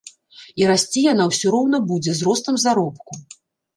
І расці яна ўсё роўна будзе, з ростам заробку.